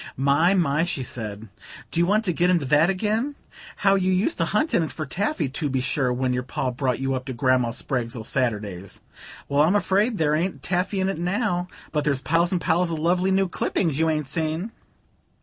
"My, my!" she said, "do you want to get into that again? How you used to hunt in it for taffy, to be sure, when your Pa brought you up to Grandma Spragg's o' Saturdays! Well, I'm afraid there ain't any taffy in it now; but there's piles and piles of lovely new clippings you ain't seen."